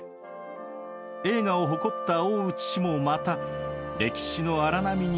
栄華を誇った大内氏もまた歴史の荒波にのまれてゆきます。